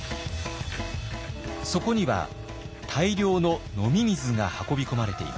そこには大量の飲み水が運び込まれていました。